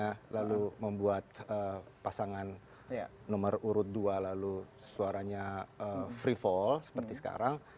karena lalu membuat pasangan nomor urut dua lalu suaranya free fall seperti sekarang